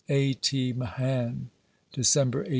A. T. MAHAN DECEMBER, 1889.